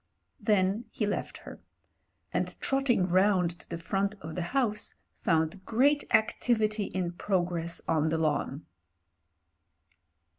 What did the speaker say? Then he left her — and trotting round to the front of the house, found great activity in progress on the lawn.